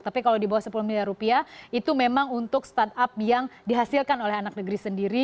tapi kalau di bawah sepuluh miliar rupiah itu memang untuk startup yang dihasilkan oleh anak negeri sendiri